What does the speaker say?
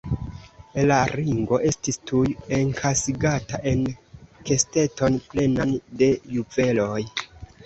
La ringo estis tuj enkasigata en kesteton plenan de juveloj.